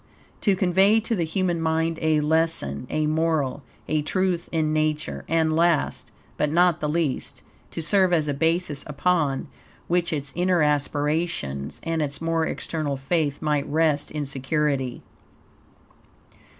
to convey to the human mind a lesson, a moral, a truth in Nature; and last, but not the least, to serve as a basis upon which its inner aspirations and its more external faith might rest in security.